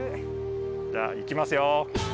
じゃいきますよ。